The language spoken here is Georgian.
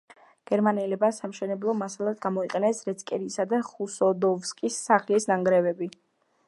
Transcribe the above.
გერმანელებმა სამშენებლო მასალად გამოიყენეს რეცკერისა და ხოსუდოვსკის სახლის ნანგრევები.